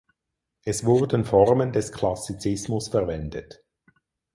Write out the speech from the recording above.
Es wurden Formen des Klassizismus verwendet.